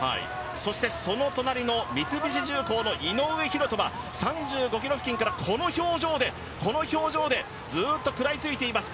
そして、その隣の三菱重工の井上大仁は３５ｋｍ付近からこの表情でずっと食らいついています。